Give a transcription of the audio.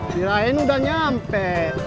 dirahin udah nyampe